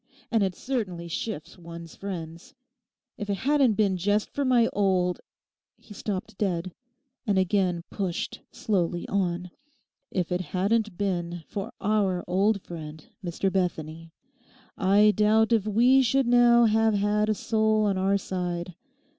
And it certainly shifts one's friends. If it hadn't been just for my old'—he stopped dead, and again pushed slowly on—'if it hadn't been for our old friend, Mr Bethany, I doubt if we should now have had a soul on our side.